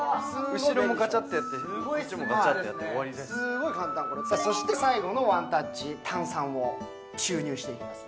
後ろもガチャってやってこっちもガチャってやって終わりすーごい簡単これさあそして最後のワンタッチ炭酸を注入していきます